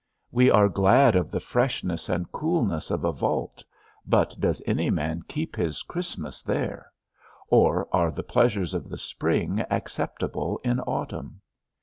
We are glad of the freshness and coolness of a vault, but does any man keep his Christmas there; or are the pleasures of the spring acceptable in autumn?